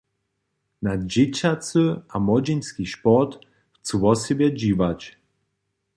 Na dźěćacy a młodźinski sport chcu wosebje dźiwać.